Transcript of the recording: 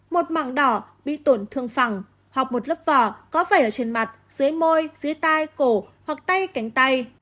một mỏng đỏ bị tổn thương phẳng hoặc một lớp vỏ có vẩy ở trên mặt dưới môi dưới tay cổ hoặc tay cánh tay